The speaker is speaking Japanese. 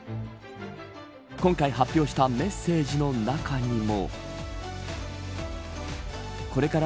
今回発表したメッセージの中にも。